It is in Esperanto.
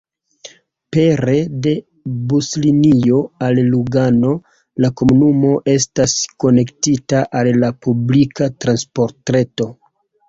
Pere de buslinio al Lugano la komunumo estas konektita al la publika transportreto.